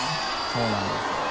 そうなんですよ。